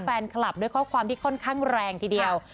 แฟนคลับด้วยข้อความที่ค่อนข้างแรงทีเดียว